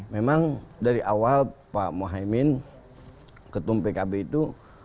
memang dari awal pak mohaimin ketum pkb itu